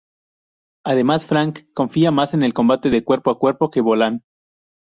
Además, Frank confía más en el combate cuerpo a cuerpo que Bolan.